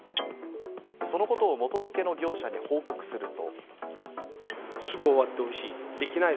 そのことを元請けの業者に報告すると。